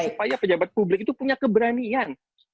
supaya pejabat publik itu punya keberanian